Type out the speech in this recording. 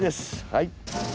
はい。